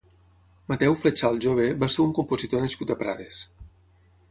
Mateu Fletxal Jove va ser un compositor nascut a Prades.